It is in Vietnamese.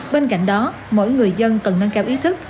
bên cạnh đó mỗi người dân cần nâng cao ý thức